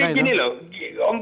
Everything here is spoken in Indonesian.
nah artinya gini loh